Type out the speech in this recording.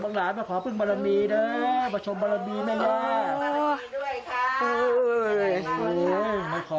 บางหลานมาขอเพิ่งบรรณีนะมาชมบรรณีแม่งล่ะ